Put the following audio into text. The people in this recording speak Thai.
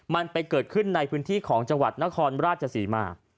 มันไปเกิดขึ้นในพื้นที่ของจังหวัดนครราชศรีมา